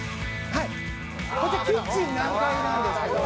こちらキッチン南海なんですけども」